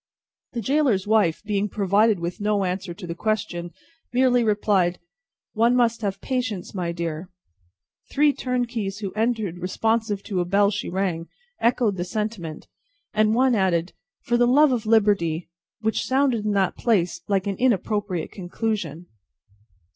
The gaoler's wife, being provided with no answer to the question, merely replied, "One must have patience, my dear!" Three turnkeys who entered responsive to a bell she rang, echoed the sentiment, and one added, "For the love of Liberty;" which sounded in that place like an inappropriate conclusion.